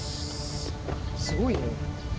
すごいね。